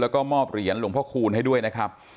แล้วก็มอบเหรียญหลวงพ่อคูณให้ด้วยนะครับ